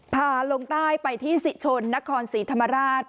พาลงใต้ไปที่สิชนนครศรีธรรมราช